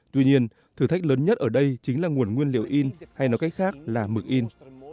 tuy nhiên thử thách lớn nhất ở đây chính là nguồn nguyên liệu in hay nói cách khác là mực in